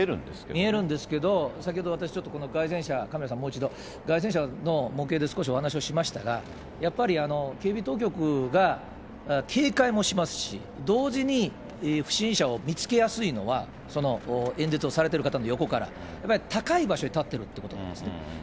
見えるんですけど、先ほど、私、ちょっと街宣車、カメラさん、もう一度、街宣車の模型で少しお話をしましたが、やっぱり警備当局が警戒もしますし、同時に不審者を見つけやすいのは、演説をされてる方の横から、高い場所に立ってるってことなんです。